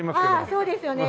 ああそうですよね。